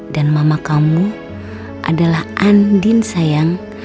dan mama kamu adalah andin sayang